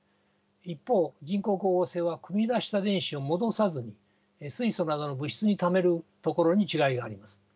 一方人工光合成はくみ出した電子を戻さずに水素などの物質にためるところに違いがあります。